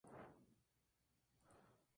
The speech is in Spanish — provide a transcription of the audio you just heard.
Fueron construidas tres represas en su curso.